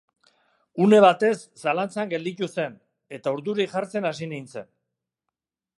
Une batez zalantzan gelditu zen, eta urduri jartzen hasi nintzen.